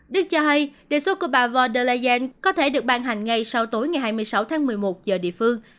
đức cho hay đề xuất của bà vo der leyen có thể được ban hành ngay sau tối ngày hai mươi sáu tháng một mươi một giờ địa phương